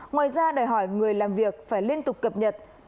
ngoài ra đòi hỏi người làm việc phải liên tục cập nhật